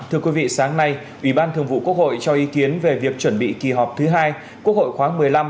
thưa quý vị sáng nay ủy ban thường vụ quốc hội cho ý kiến về việc chuẩn bị kỳ họp thứ hai quốc hội khoáng một mươi năm